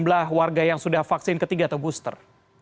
jumlah warga yang sudah vaksin ketiga atau booster